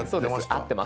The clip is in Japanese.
合ってます。